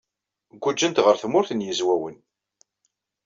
Guǧǧent ɣer Tmurt n Yizwawen.